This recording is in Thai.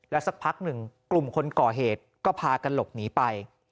สักพักหนึ่งกลุ่มคนก่อเหตุก็พากันหลบหนีไป